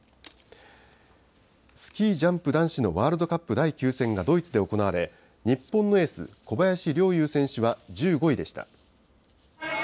スキージャンプ男子のワールドカップ第９戦がドイツで行われ、日本のエース、小林陵侑選手は１５位でした。